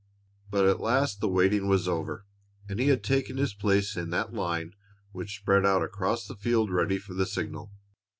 But at last the waiting was over and he had taken his place in that line which spread out across the field ready for the signal.